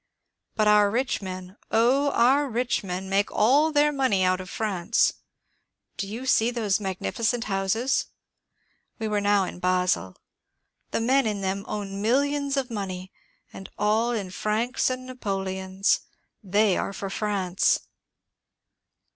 But our rich men — oh, our rich men make all their money out of France ! Do you see those mag nificent houses ?"— we were now in Basle —" the men in them own millions of money and all in francs and napoleons. They are for France."